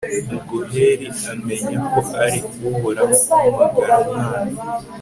ubwo heli amenya ko ari uhoraho uhamagara umwana